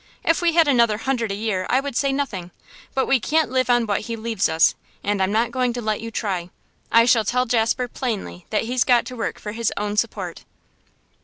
If we had another hundred a year, I would say nothing. But we can't live on what he leaves us, and I'm not going to let you try. I shall tell Jasper plainly that he's got to work for his own support.